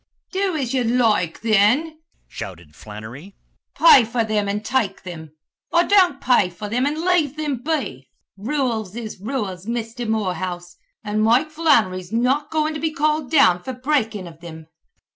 "Do as you loike, then!" shouted Flannery, "pay for thim an' take thim, or don't pay for thim and leave thim be. Rules is rules, Misther Morehouse, an' Mike Flannery's not goin' to be called down fer breakin' of thim."